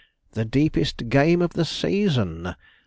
The deepest game of the season!